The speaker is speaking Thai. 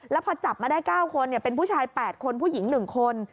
แล้วพอจับมาได้๙คนเป็นผู้ชาย๘คนผู้หญิง๑คน